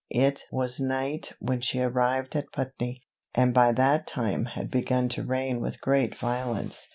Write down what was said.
It was night when she arrived at Putney, and by that time had begun to rain with great violence.